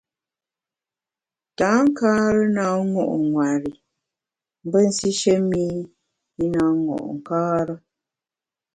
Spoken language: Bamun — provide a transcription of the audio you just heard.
Tankare na ṅo’ nwer i mbe nsishe mi i na ṅo’ nkare.